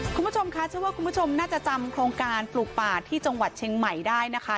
คุณผู้ชมคะเชื่อว่าคุณผู้ชมน่าจะจำโครงการปลูกป่าที่จังหวัดเชียงใหม่ได้นะคะ